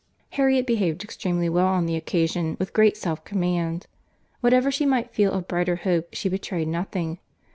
Harriet behaved extremely well on the occasion, with great self command. What ever she might feel of brighter hope, she betrayed nothing.